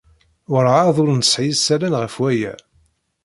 Werɛad ur nesɛi isalan ɣef waya.